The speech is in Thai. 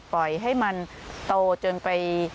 ปล่อยให้มันโตจนไป